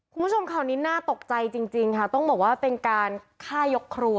คุณผู้ชมข่าวนี้น่าตกใจจริงค่ะต้องบอกว่าเป็นการฆ่ายกครัว